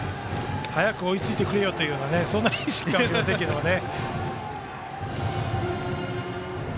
早く追いついてくれよという意識かもしれませんね。